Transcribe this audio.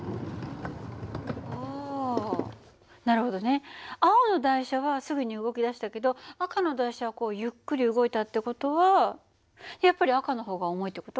あなるほどね。青の台車はすぐに動きだしたけど赤の台車はこうゆっくり動いたって事はやっぱり赤の方が重いって事？